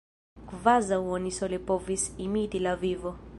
Kvazaŭ oni sole povis imiti la vivo!